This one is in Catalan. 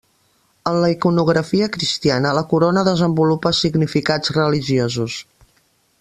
En la iconografia cristiana, la corona desenvolupa significats religiosos.